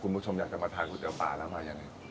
คุณผู้ชมอยากมาทานก๋วยเตี๋ยวป่าร้ำแบบยังไง